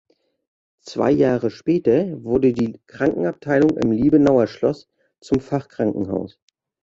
Zwei Jahre später wurde die Krankenabteilung im Liebenauer Schloss zum Fachkrankenhaus.